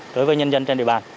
đối với nhân dân trên địa bàn